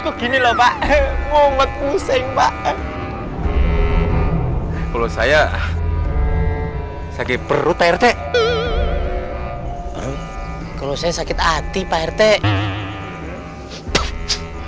kok gini lho pak momet pusing pak kalau saya sakit perut rt kalau saya sakit hati pak rtd